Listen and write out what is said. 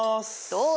どう？